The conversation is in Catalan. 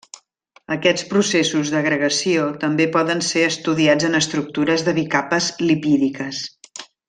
Aquests processos d'agregació també poden ser estudiats en estructures de bicapes lipídiques.